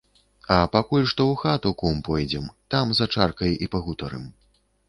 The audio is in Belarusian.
А пакуль што ў хату, кум, пойдзем, там за чаркай і пагутарым.